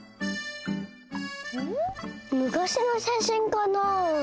ん？むかしのしゃしんかなあ？